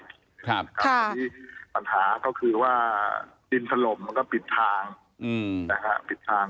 ครับครับสัญญาณที่ปัญหาก็คือว่าดินทะลมมันก็ปิดทางนะครับ